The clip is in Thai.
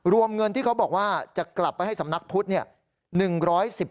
รวมเงินที่เขาบอกว่าจะกลับไปให้สำนักพุทธเนี่ย